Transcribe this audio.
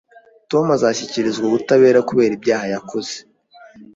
Tom azashyikirizwa ubutabera kubera ibyaha yakoze